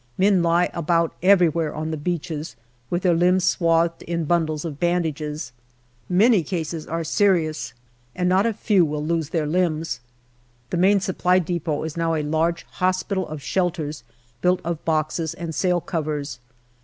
Men lie about everywhere on the beaches, with their limbs swathed in bundles of bandages. Many cases are serious, and not a few will lose their limbs. The Main Supply depot is now a large hospital of shelters built of boxes and sailcovers.